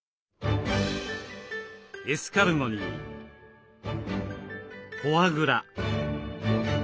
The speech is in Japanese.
エスカルゴにフォアグラ。